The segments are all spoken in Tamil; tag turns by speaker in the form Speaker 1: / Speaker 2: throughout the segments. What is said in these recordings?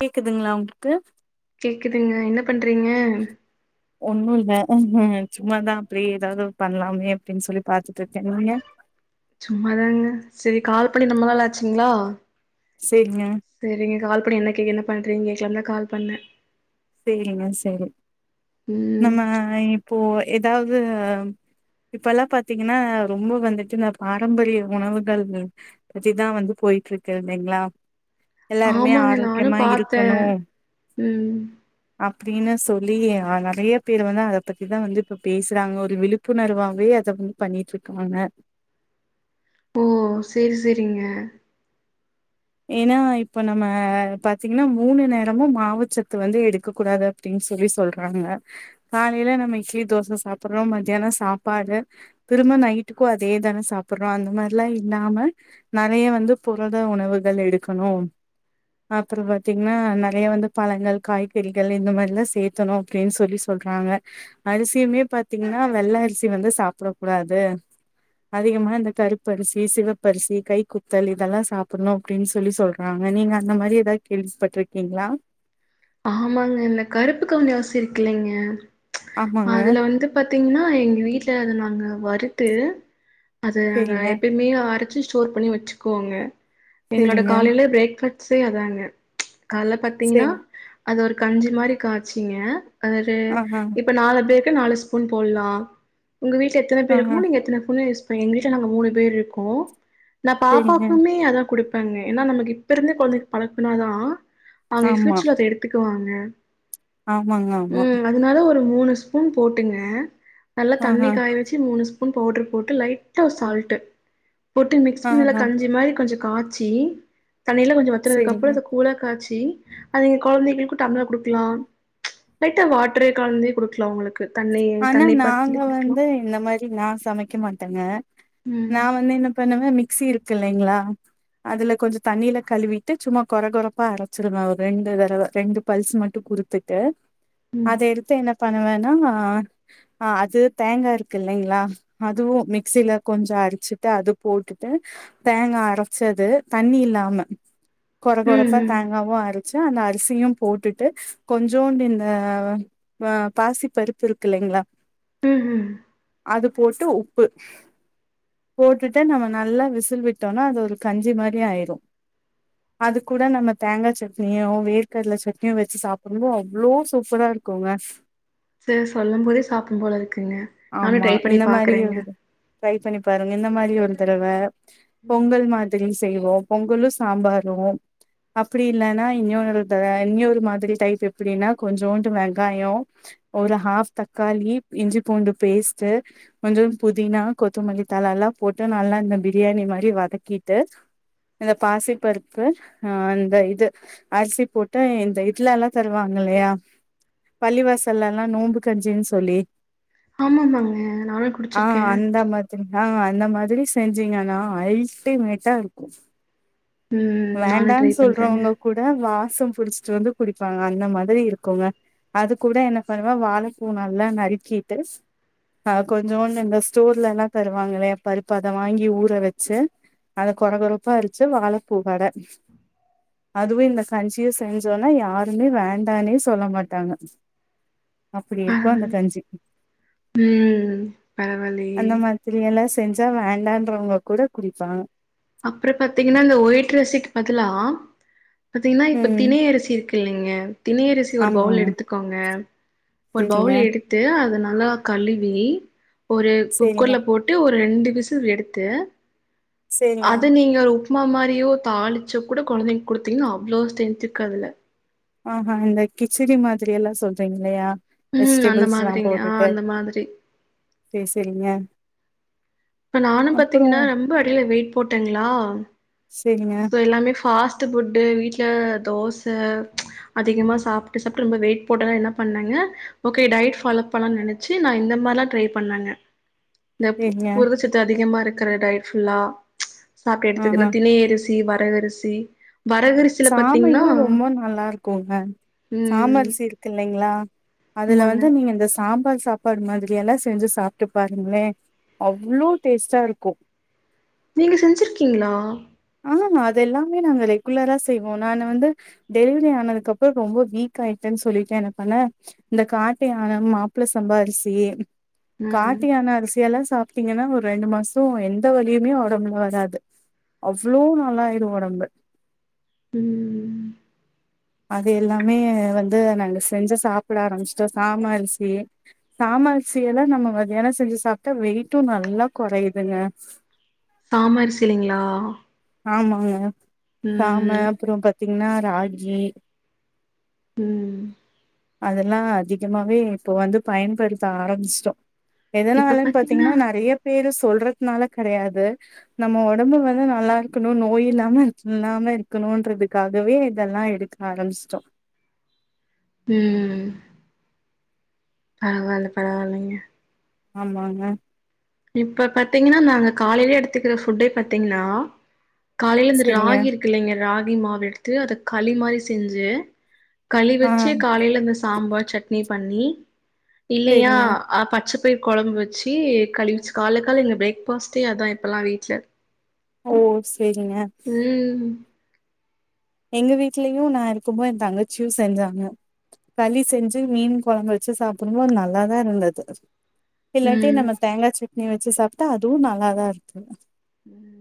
Speaker 1: கேக்குதுங்களா உங்களுக்கு
Speaker 2: கேக்குதுங்க என்ன பண்றீங்க
Speaker 1: ஒண்ணு இல்ல சும்மாதான் அப்பிடியே ஏதாவது பண்ணலாமே அப்பிடின்னு சொல்லி பாத்துட்டு இருக்கே நீங்க
Speaker 2: சும்மாதாங்க செரி கால் பண்ணி ரொம்ப நாள் ஆச்சுங்ளா
Speaker 1: சேரிங்க
Speaker 2: சேரிங்க கால் பண்ணி என்ன கே என்ன பண்றிங்க கேக்கலான்தா கால் பண்ண
Speaker 1: சேரிங்க செரி
Speaker 2: ம்
Speaker 1: நம்ம இப்போ எதாவது இப்பெல்லா பாத்திங்கனா ரொம்ப வந்துட்டு இந்த பாரம்பரிய உணவுகள் பத்திதா வந்து போயிட்ருக்கு இல்லைங்ளா எல்லாருமே
Speaker 2: ஆமாங்க நானு
Speaker 1: ஆரோக்கியமா
Speaker 2: பாத்தே
Speaker 1: இருக்கணு
Speaker 2: ம்
Speaker 1: அப்டின்னு சொல்லி நெறைய பேரு வந்து அத பத்திதா வந்து இப்ப பேசுறாங்க ஒரு விழுப் புணர்வாவே அத வந்து பண்ணிட்ருக்காங்க
Speaker 2: ஓ செரி செரிங்க
Speaker 1: ஏனா இப்ப நம்ம பாத்திங்னா மூணு நேரமு மாவுச்சத்து வந்து எடுக்க கூடாது அப்டின் சொல்லி சொல்றாங்க காலையில நம்ம இட்லி தோச சாப்படறோ மத்யான சாப்பாடு திரும்ப நைட்டுக்கு அதே தான சாப்படறோ அந்த மாரிலா இல்லாம நெறைய வந்து புரத உணவுகள் எடுக்கணு அப்பற பாத்திங்னா நெறைய வந்து பழங்கள் காய்கறிகள் இந்த மாரில்லா சேத் தணு அப்படின் சொல்லி சொல்றாங்க அரிசியுமே பாத்திங்கன்னா வெள்ள அரிசி வந்து சாப்பட கூடாது அதிகமா இந்த கருப்பரிசி சிவப்பரிசி கை குத்தல் இதெல்லா சாப்பணு அப்டின் சொல்லி சொல்றாங்க நீங்க அந்த மாரி எதா கேள்விப்பட்ருக்கிங்ளா
Speaker 2: ஆமாங்க இந்த கருப்பு கவுனி அரிசி இருக்குல்லைங்க
Speaker 1: ஆமாங்க
Speaker 2: அதுல வந்து பாத்திங்னா எங்க வீட்ல அத நாங்க வறுத்து அத நாங்க
Speaker 1: செரிங்க
Speaker 2: எப்பைமே அரைச்சு ஸ்டோர் பண்ணி வெச்சுக்குவங்க எங்களோட
Speaker 1: செரிங்க
Speaker 2: காலையில பிரேக் ஃபாஸ்ட்டே அதாங்க கால்ல பாத்திங்கனா
Speaker 1: செரி
Speaker 2: அது ஒரு கஞ்சி மாரி காச்சிங்க அரு
Speaker 1: ஆஹா
Speaker 2: இப் இப்ப நாலு பேருக்கு நாலு ஸ்பூன் போடலா உங்க வீட்ல எத்தன பேர்
Speaker 1: ஆஹா
Speaker 2: இருக்கமோ நீங்க எத்தன ஸ்பூன் யூஸ் இப்ப எங்க வீட்ல நாங்க மூணு பேர் இருக்கோ நா
Speaker 1: செரிங்க
Speaker 2: பாப்பாக்குமே அதா குடுப் பங்க ஏன்னா நமக்கு இப்ப இருந்தே கொழந்தைக்கு பழக்குனாதா அவங்க
Speaker 1: ஆமா
Speaker 2: ஃப்யூச்சர்ல அத எடுத்துக்குவாங்க
Speaker 1: ஆமாங்க ஆமா
Speaker 2: ம் அதனால ஒரு மூணு ஸ்பூன் போட்டுங்க நல்லா தண்ணி
Speaker 1: ஆஹா
Speaker 2: காய வெச் சு மூணு ஸ்பூன் பவுடர் போட்டு லைட்டா ஒர் சால்ட்டு போட்டு மிக்ஸ் பணி நல்லா
Speaker 1: ஆஹா
Speaker 2: கஞ்சி மாரி கொஞ்ச காச்சி தண்ணியெல்லா கொஞ்ச
Speaker 1: செரிங்க
Speaker 2: வத்துனதுக்கப்பற அத கூழா காச்சி அத நீங்க கொழந்தைகளுக்கு டம்ளர் குடுக்கலா லைட்டா வாட்டரே கலந்தே குடுக்கலா உங்களுக் கு தண்ணி
Speaker 1: ஆனா
Speaker 2: தண்ணி
Speaker 1: நாங்க
Speaker 2: பதத்துலயு குடுக்லா
Speaker 1: வந்து இந்த மாரி நா சமைக்க மாட்டங்க நா
Speaker 2: ம்
Speaker 1: வந்து என்ன பண்ணுவன் மிக்சி இருக்கு இல்லைங்ளா அதுல கொஞ்சொ தண்ணில கழுவிட்டு சும்மா கொற கொறப்பா அரைச்சிருவ ஒரு ரெண்டு தடவ ரெண்டு பல்ஸ் மட்டு குடு த்துட்டு
Speaker 2: ம்.
Speaker 1: அத எடுத்து என்ன பண்ணுவேனா ஆ அது தேங்கா இருக்கு இல்லைங்ளா அதுவு மிக்சில கொஞ்ச அரிச்சிட்டு அது போட்டுட்டு தேங்கா அரச்சது தண்ணி இல்லாம கொற
Speaker 2: ம்
Speaker 1: கொறப்பா
Speaker 2: ம்.
Speaker 1: தேங்காவு அர ச்சு அந்த அரிசியு போட்டுட்டு கொஞ்சோண்டு இந்த வ பாசிப் பருப்பு இருக் கில்லைங்ளா
Speaker 2: ம் ஹு
Speaker 1: அது போட்டு உப்பு போட்டுட்டு நம்ம நல்லா விசில் விட்டோன்னா அது ஒரு கஞ்சி மாரி ஆயிரு அது கூட நம்ம தேங்கா சட்னியோ வேர்கடல சட்னியோ வெச்சு சாப்டும்போ அவ்ளோ சூப்பரா இருக்குங்க
Speaker 2: சே சொல்லும்போதே சாப்பிடணும்போல இருக்குங்க நானு
Speaker 1: ஆமா
Speaker 2: ட்ரை பண்ணி
Speaker 1: இந்த மாரி
Speaker 2: பாக்குறேங்க
Speaker 1: ஒரு இது ட்ரை பண்ணிப் பாருங்க இந்த மாரி ஒரு தரவ பொங்கல் மா திடீனு செய்வோ பொங்கலு சாம்பாரு அப்டி இல்லன்னா இன்னொரு [unintelligible] இன்னொரு மாதிரி டைப் எப்டின்னா கொஞ்சோண்டு வெங்காயோ ஒரு ஹாஃப் தக்காளி இஞ்சி பூண்டு பேஸ்ட்டு கொஞ்சோண் புதினா கொத்தமல்லித்தழ எல்லா போட்டு நல்லா இந்த பிரியாணி மாரி வதக்கிட்டு இந்த பாசிப் பருப்பு அ அந்த இது அரிசி போட்டு இந்த இதுல எல்லா தருவாங்க இல்லையா பள்ளிவாசல்ல எல்லா நோம்பு கஞ்சின் சொல்லி
Speaker 2: ஆமாமாங்க நானு
Speaker 1: ஆ
Speaker 2: குடிச்சிருக்கே
Speaker 1: அந்த மா தினா அந்த மாதிரி செஞ்சீங்கன்னா அல்ட்டிமேட்டா இருக்கு
Speaker 2: ம் நானு
Speaker 1: வேண்டான்
Speaker 2: ட்ரை பண்றேங்க
Speaker 1: சொல்றவங்க கூட வாசம் புடிச்சிட்டு வந்து குடிப்பாங்க அந்த மாதிரி இருக்குங்க அது கூட என்ன பண்ணுவ வாழப்பூ நல்லா நறுக்கிட்டு அ கொஞ்சோண்டு இந்த ஸ்டோர்ல எல்லா தருவாங்கில்லையா பருப்பு அத வாங்கி ஊற வெச்சு அது கொற கொறப்பா அரச்சு வாழப்பூ வட அதுவு இந்த கஞ்சியு செஞ்சோன்னா யாருமே வேண்டான்னே சொல்ல மாட்டாங்க அப்டி இருக்கு அந்த
Speaker 2: பரவால்ல
Speaker 1: கஞ்சி
Speaker 2: ம் பரவால்லயே
Speaker 1: அந்த மா இப்டியெல்லா செஞ்சா வேண்டான்றவங்க கூட குடிப்பாங்க
Speaker 2: அப்றோ பாத்தீங்கன்னா இந்த ஒயிட் ரைசிக்கு பதிலா பாத்தீங்கன்னா இப்ப
Speaker 1: ம்
Speaker 2: தினை அரிசி இருக்கு இல்லைங்க தினை அரிசி ஒரு பவுல்
Speaker 1: ஆமாங்க
Speaker 2: எடுத்துக்கோங்க ஒரு
Speaker 1: செரிங்க
Speaker 2: பவுல் எடுத்து அத நல்லா கழுவி ஒரு
Speaker 1: சேரிங்க
Speaker 2: குக்கர்ல போ ட்டு ஒரு ரெண்டு விசில் எடுத்து
Speaker 1: சேரிங்க
Speaker 2: அது நீங்க ஒரு உப்புமா மாரியோ தாளிச்சோ கூட கொழந்தைக் குடுத்தீங்கன்னா அவ்ளோ ஸ்டென்த்து இக்கு அதுல
Speaker 1: ஆஹா இந்த கிச்சடி மாதிரி எல்லா சொல்றீங்கில்லையா
Speaker 2: ம். அந்த
Speaker 1: வெஜிட்டெபிள்ஸ்ல்லா
Speaker 2: மாதிரிங்க. ஆ
Speaker 1: போட்டுட்டு
Speaker 2: அந்த மாதிரி.
Speaker 1: பேசிரிங்க
Speaker 2: இப்ப நானும் பாத்தீங்கன்னா ரொம்ப அடில வெயிட் போட்டங்ளா
Speaker 1: சேரிங்க
Speaker 2: சோ எல்லாமே ஃபாஸ்ட்டு ஃபுட்டு வீட்ல தோச ப்ச்ச அதிகமா சாப்ட்டு சாப்ட்டு ரொம்ப வெயிட் போட்டனா என்ன பண்ணங்க ஓகே டயட் ஃபாலோ பண்லான்னு நெனச்சு நா இந்த மாரில்லா ட்ரை பண்ணங்க இந்த பு
Speaker 1: சேரிங்க
Speaker 2: புரதச்சத்து அதிகமா இருக்கிற டயட் ஃபுல்லா சாப்ட்டு
Speaker 1: ஆஹா
Speaker 2: எடுத்துகினு திணையரி சி வரகரிசி வரகரிசி
Speaker 1: சாமையு ரொம்ப நல்லாருக்குங்க
Speaker 2: ம்.
Speaker 1: சாமரிசி இருக்கில்லைங்ளா அதுல
Speaker 2: ஆமாங்க.
Speaker 1: வந்து நீங்க இந்த சாம்பார் சா ப்பாடு மாதிரி எல்லா செஞ்சு சாப்ட்டு பாருங்ளேன் அவ்ளோ டேஸ்ட்டா இருக்கு
Speaker 2: நீங்க செஞ்சிருக்கீங்ளா
Speaker 1: ஆமா அதெல்லாமே நாங்க ரெகுலரா செ ய்வோ நானு வந்து டெலிவரி ஆனதுக்கப்றோ ரொம்ப வீக்காயிட்டன் சொல்லிட்டு என்ன பண்ண இந்த காட்டுயான மாப்ள சம்பா அரிசி
Speaker 2: ம்.
Speaker 1: காட்டுயான அரிசி எல்லா சா ப்டீங்கன்னா ஒரு ரெண்டு மாசோ எந்த வலியுமே ஒடம்புல வராது அவ்ளோ நல்லாயிரு ஒடம்பு
Speaker 2: ம்
Speaker 1: அது எல்லாமே வந்து நாங்க செஞ்சு சாப்ட ஆரம்பிச்சுட்டோ சாம அரிசி சாம அர்சி எல்லா நம்ம மத்தியானோ செஞ்சு சாப்ட்டா வெயிட்டு நல்லா கொறையுதுங்க
Speaker 2: தாம அரிசிலைங்ளா
Speaker 1: ஆமாங்க சாம அப்புறோ பாத்தீங்ன்னா ராகி
Speaker 2: ம்
Speaker 1: அதெல்லா அதிகமாவே இப்போ வந்து பயன்படுத்த ஆரம்ச்சிட்டோ எதனாலன் பாத்தீங்கன்னா நறைய பேரு சொல்றதுனால கெடையாது நம்ம ஒடம்பு வெர நல்லா இருக்கணு நோயில்லாம இர் இல்லாம இருக்கணுன்றதுக்காகவே இதெல்லா எடுக் ஆரம்ச்ட்டோ
Speaker 2: ம் ம் பரவால்ல பரவால்லைங்க
Speaker 1: ஆமாங்க
Speaker 2: இப்ப பாத்தீங்கன்னா நாங்க காலையில எடுத்துக்குற ஃபுட்டே பாத்தீங்ன்னா காலையில இந்த
Speaker 1: செரிங்க
Speaker 2: ராகி இருக் க்ல்லைங்க ராகி மாவெடுத்து அத களி மாறி செஞ்சு களி
Speaker 1: ஆ
Speaker 2: வச்சு காலையில மிஸ் சாம்பார் சட்னி பண்ணி இல்லையா
Speaker 1: செரிங்க
Speaker 2: ஆ பச்சைப்பயிர் கொலம்பு வச்சி கலிவிச் கால்ளக் காலை பிரேக்ஃபாஸ்ட்டே அதான் இப்பல்லாம் வீட்ல
Speaker 1: ஓ சேரிங்க
Speaker 2: ம்
Speaker 1: எங்க வீட்லயு நா இருக்கப்போ என் தங்கச்சியும் செஞ்சாங்க களி செஞ்சு மீன் கொலம்பு வச்சு சாப்பிடம்போ நல்லாதான் இருந்தது இல்லாட்டி
Speaker 2: ம்
Speaker 1: நம்ம தேங்கா சட்னி வச்சி சாப்ட்டா அதுவு நல்லாதான் இருக்கு
Speaker 2: ம்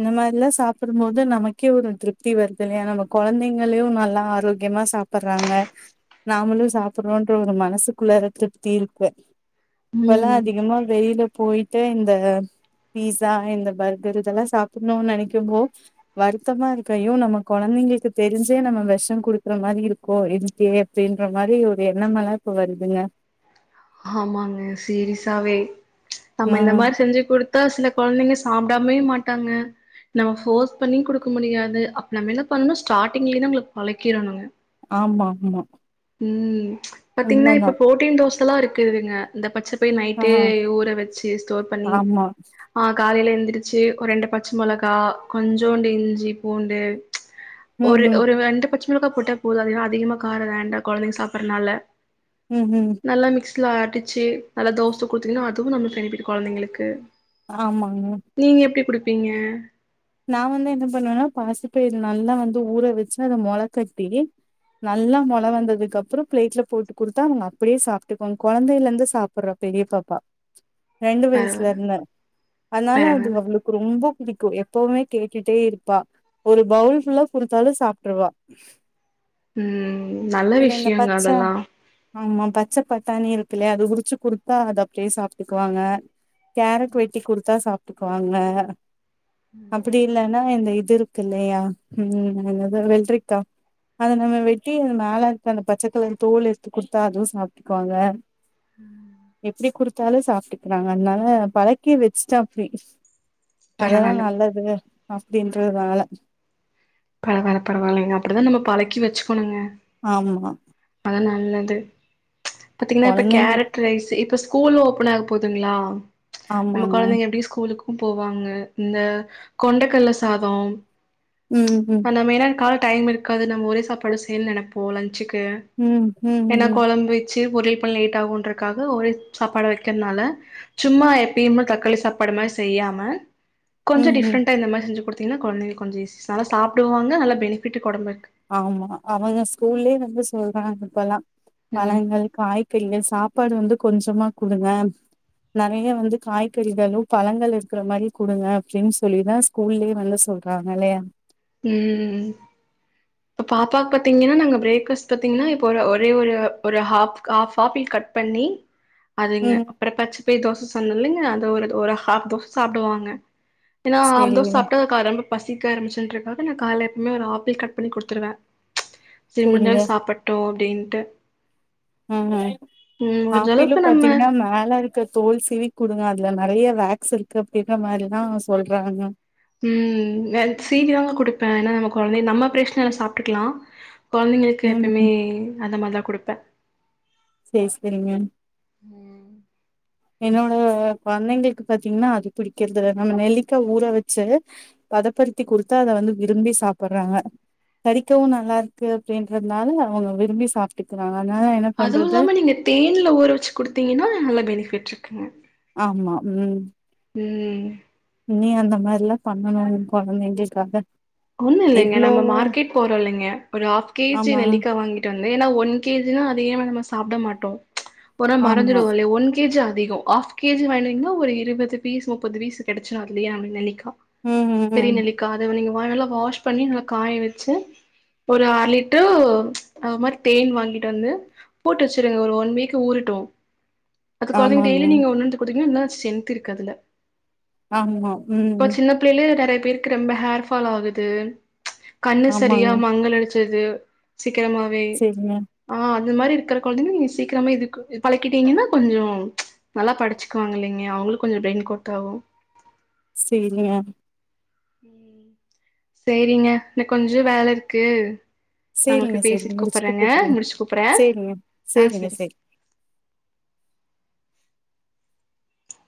Speaker 1: இந்த மாரிலா சாப்புடும் போது நமக்கே ஒரு திருப்தி வருதில்லையா நம்ம கொலந்தைங்களையு நல்லா ஆரோக்கியமா சாப் பறாங்க நாமளு சாப்புட்றோன்ட்டு ஒரு மனசுக்குள்ள ஒரு திருப்தி இருக்கு இப்பல்லா
Speaker 2: ம்
Speaker 1: அதிகமா வெயில்ல போயிட்டு இந்த பீஸா இந்த பர்கர் இதெல்லா சாப்பிட்ணுன்னு நெனைக்கும்போ வருத்தமா இருக்கு ஐயோ நம்ம கொழந்தைங்களுக்கு தெரிஞ்சே நம்ம வெஷம் குடுக்குற மாதிரி இருக்கோ எதுக்கே ன்ற மாரி ஒரு எண்ணமலா இப்ப வருதுங்க
Speaker 2: ஆமாங்க சீரிஸாவே
Speaker 1: ஆ
Speaker 2: நம்ம இந்த மாரி செஞ்சு குடுத் பாத்தா சில கொழந்தைங்க சாப்டாமயே மாட்டாங்க நம்ம போர்ஸ் பண்ணி குடுக்க முடியாது அப்ப நம்ம என்ன பண்ணணும் ஸ்டார்டிங்லே இருந்து அவுங்களுக்கு பழக்கிறோணுங்க
Speaker 1: ஆமா ம்
Speaker 2: ம் பாத்தீங்ன்னா இப்ப புரோட்டீன் தோசல்லா இருக்குதுங்க இந்த பச்சைப்பயிர்
Speaker 1: ஆ
Speaker 2: நைட்டே ஊற வெச்சு ஸ்டோர் பண்ணி
Speaker 1: ஆமா
Speaker 2: ஆ காலைல எந்துரிச்சு ஒரு ரெண்டு பச்ச மொளகா கொஞ்சோண்டு இஞ்சி பூண்டு
Speaker 1: ம்
Speaker 2: ஒரு
Speaker 1: ம்
Speaker 2: ஒரு ரெண்டு பச்ச மிளகா போட்டா போது அது ஏன்னா அதிகமா காரோ வேண்டா கொழந்தைங்க சாப்பறனால
Speaker 1: ம் ம்
Speaker 2: நல்லா மிக்சில அடிச்சு நல்ல தோச குடுத்தீங்கன்னா அதுவு நமக் பெனிஃபிட்டு கொழந்தைங்களுக்கு
Speaker 1: ஆமாங்க
Speaker 2: நீங்க எப்டி குடுப்பீங்க
Speaker 1: நா வந்து என்ன பண்ணுவேன்னா பாசிப்பயிரு நல்லா வந்து ஊற வச்சு அத மொளக்கட்டி நல்லா மொள வந்ததுக்கப்பற பிளேட்ல போட்டு குடுத்தா அவங்க அப்டியே சாப்ட்டுக்குவாங்க கொழந்தைலேருந்து சாப் பற பெரிய பாப்பா ரெண்டு
Speaker 2: பரவால்ல
Speaker 1: வயசுலருந்து அதனால அது
Speaker 2: பரவால்ல
Speaker 1: அவளுக்கு ரொம்போ புடிக்கு எப் எப்போமே கேட்டுட்டே இருப்பா ஒரு பவுல் ஃபுல்லா குடுத்தாலு சாப்ட்டுருவா
Speaker 2: ம் நல்ல விஷ்யோங்க
Speaker 1: பச்ச
Speaker 2: அதெல்லாம்
Speaker 1: ஆமா பச்ச பட்டாணி இருக்கில்லய அது உரிச்சு குடுத்தா அது அப்டியே சாப்ட்டுக்குவாங்க கேரட் வெட்டி குடுத்தா சாப்ட்டுக்குவாங்க அப்டி
Speaker 2: ம்
Speaker 1: இல்லைன்னா இந்த இது இருக்கு இல்லையா ம் என்னது வெள்ரிக்கா அத நம்ம வெட்டி மேலே இருக்க அந்த பச்சக்கலர் தோல எடுத்து குடுத்தா அதுவு சாப்ட்டுக்குவாங்க எப்டி குடுத் தாலு சாப்ட்டுக்கிறாங்க அதுனால பழக்கி வச்ட்டே அப்டி அதெல்லா
Speaker 2: பரவால்ல
Speaker 1: நல்ல து அப்டின்றதுனால
Speaker 2: பரவால்ல பரவால்ல அப்டிதா நம்ம பழக்கி வச்சுக்கணுங்க
Speaker 1: ஆமா
Speaker 2: அதா நல்லது பாத்தீங்கன்னா இப்ப
Speaker 1: கொழந்தைங்க
Speaker 2: கேரட் ட் ரைஸ் இப்ப ஸ்கூல் ஓப்பன் ஆகப் போகுதுங்களா நம்ம
Speaker 1: ஆமாங்க
Speaker 2: கொழந்தைங்க எப்டி ஸ்கூலுக் கு போவாங்க இந்த கொண்டக்கல்ல சாதம்
Speaker 1: ம் ம்
Speaker 2: அந்த மெயின்னா கால் டைம் இருக்காது நம்ம ஒரே சாப்பாடு செய்னு நெனைப்போ லன்ச்சுக்கு
Speaker 1: ம் ம்
Speaker 2: ஏன்னா
Speaker 1: ம்
Speaker 2: கொழம்பு வச்சு பொறியல் பண்ண லேட் ஆகுன்றக்காக ஒரே சாப்பாட வக்கிறனால சும்மா எப்பியுமே தக்காளி சாப்பாடு மாரி செய்யாம கொஞ்ச
Speaker 1: ம் ம்
Speaker 2: டிஃப்ரண்டா இந்த மாரி செஞ்சுக் குடுத்தீங்கன்னா கொழந்தைகளுக்கு கொஞ்ச ஈஸி நல்ல சாப்புடுவாங்க நல்ல பெனிஃபிட்டு ஒடம்புக்கு
Speaker 1: ஆமா அவங்க ஸ்கூல்லே வந்து சொல்றாங்க இப்பெல்லா
Speaker 2: ம்
Speaker 1: பழங்கள் காய்கறிகள் சாப்பாடு வந்து கொஞ்சமா குடுங்க நெறைய வந்து காய்கறிகளு பழங்கள் இருக்கற மாரி குடுங்க அப்டின்னு சொல்லிதா ஸ் கூல்லேயே வந்து சொல்றாங்க இல்லயா
Speaker 2: ம் இப்போ பாப்பாக்கு பாத்தீங்கன்னா நாங்க பிரேக் ஃபாஸ்ட் பாத்தீங்கன்னா இப்போ ஒரு ஒரே ஒரு ஒரு ஹாஃப் ஹாஃப் ஆப்பிள் கட் பண்ணி அதுங்க
Speaker 1: ம்
Speaker 2: அப்பற பச்சப்பய் தோச சொன்னல்லேங்க அது ஒரு ஒரு ஹாஃப் தோச சாப்டுவாங்க ஏன்னா ஹாஃப் தோச
Speaker 1: செரிங்க
Speaker 2: சாப்ட்டா அதுக்கு ரொம்ப பசிக்க ஆரம்பிச்சுன்ருக் அதுக்குன் நா கால்ல எப்வுமே ஒரு ஆப்பிள் கட் பண்ணி குடுத்துருவ சேரி
Speaker 1: செரிங்க
Speaker 2: முட்ஞ்சளவு சாப்பட்டு அப்டின்ட்டு
Speaker 1: ம் ஹு
Speaker 2: ம் முடிஞ்ச
Speaker 1: ஆப்பிளு
Speaker 2: அளவுக்கு நம்ம
Speaker 1: பாத்தீங்கன்னா மேலருக் க தோல் சீவி குடுங்க அதுல நெறைய வேக்ஸ் இருக்கு அப்டின்ற மாரில்லா சொல்றாங்க.
Speaker 2: ம் நான் சீவி தாங்க குடுப்ப ஏன்னா நம்ம கொழந்தை நம்ம பிரச்சனல்ல சாப்ட்டுக்கலா கொழந்தைங்களுக்கு எப்பயுமே
Speaker 1: ம்
Speaker 2: அந்த மாரிதா குடுப்ப
Speaker 1: சேரி சேரிங்க.
Speaker 2: ம்
Speaker 1: என்னோட கொழந்தைங்களுக்கு பாத்தீங்கன்னா அது பிடிக்கறதுல்ல நம்ம நெல்லிக்கா ஊற வச்சு பதப்படுத்திக் குடுத்தா அத வந்து விரும்பி சாப்புறாங்க கடிக்கவு நல்லாருக்கு அப்டின்றதுனால அவுங்க விரும்பி சாப்ட்டுக்கிறாங்க அதனால எனக்
Speaker 2: அதுவு இல்லாம நீங்க தேனுல ஊற வச்சு குடுத்தீங்கன்னா நல்ல பெனிஃபிட் இருக்குங்க
Speaker 1: ஆமா ம்
Speaker 2: ம்
Speaker 1: நீ அந்த மாரில்லா பண்ணணு ஓ கொழந்தைங்களுக்காக
Speaker 2: ஒன்னு இல்லைங்க நம்ம
Speaker 1: எவ்ளோவோ
Speaker 2: மார்க்கெட் போறோ இல்லைங்க ஒரு ஆஃப் கேஜி
Speaker 1: ஆமா
Speaker 2: நெல்லிக்கா வாங்கி ட்டு வந்து ஏனா ஒன் கேஜினா அதயே நம்ம சாப்டமாட்டோம் ஒரு நா
Speaker 1: ஆமா
Speaker 2: மறந்துருவோ இல்லையா ஒன் கேஜி அதிகோ ஆஃப் கேஜி வாங்கின்னீங்னா ஒரு இருவது பீஸ் முப்பது பீஸ் கெடைச்சிரு அதுலே அர நெல்லிக்கா
Speaker 1: ம் ம்
Speaker 2: பெரிய
Speaker 1: ம்
Speaker 2: நெல்லிக்கா அத நீங்க நல்லா வாஷ் பண்ணி நல்லா காய வச்சு ஒரு அர லிட்ரு அது மாரி தேன் வாங்கிட்டு வந்து போட்டு வச்சுருங்க ஒரு ஒன் வீக் ஊறட்டு அது கொழந்தைங்க
Speaker 1: ஆமாங்க
Speaker 2: டெய்லி நீங்க ஒன்னொன் எத்து குடுத்தீங்னா இன்னு ஸ்டென்த் இருக்கு அதுல
Speaker 1: ஆமா ம்
Speaker 2: பிளு நெறைய பேருக்கு ரொம்ப ஹேர் ஃபால் ஆகுது கண்ணு சரியா
Speaker 1: ஆமாங்க
Speaker 2: மங்கல் அடிச்சிருது சீக்கிரமாவே
Speaker 1: சேரிங்க
Speaker 2: ஆ அது மாதிரி இருக்குற கொழந்தைங்க நீங்க சீக்கிரமா இதுக்கு பழக்கிட்டீங்கன்னா கொஞ்சோ நல்லா படிச்சுக்குவாங்க இல்லிங்க அவுங்களுக் கொஞ்ச பிரெயின் கோட்டாவு
Speaker 1: சேரிங்க
Speaker 2: உம்... சேரிங்க எனக் கொஞ்சோ வேலருக்கு நா உங்களுக்கு
Speaker 1: சேரிங்க சேரிங்க
Speaker 2: பேசிட்டு
Speaker 1: முடிச்சுட்டு
Speaker 2: கூப்பர்றேங்க
Speaker 1: கூப்புடுங்க
Speaker 2: முடிச்சு கூப்பர்றே
Speaker 1: சேரிங்க
Speaker 2: ஆ
Speaker 1: சேரிங்க
Speaker 2: சரி
Speaker 1: சேரி